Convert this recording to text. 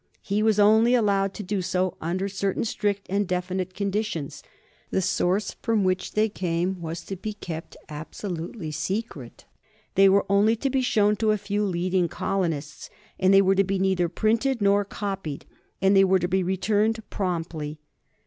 He was only allowed to do so under certain strict and definite conditions. The source from which they came was to be kept absolutely secret. They were only to be shown to a few leading colonists; they were to be neither printed nor copied, and they were to be returned promptly.